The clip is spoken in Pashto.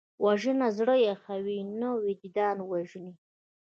وژنه زړه یخوي نه، وجدان وژني